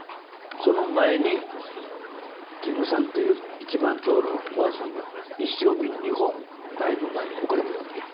その前にキムさんという一番長老のおばあさんが一升瓶２本台の前に置かれてるわけや。